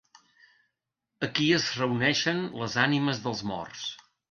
Aquí es reuneixen les ànimes dels morts.